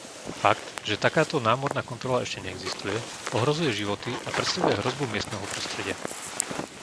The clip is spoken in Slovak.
Fakt, že takáto námorná kontrola ešte neexistuje, ohrozuje životy a predstavuje hrozbu miestneho prostredia.